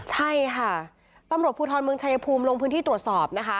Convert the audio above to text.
ใช่ค่ะตำรวจภูทรเมืองชายภูมิลงพื้นที่ตรวจสอบนะคะ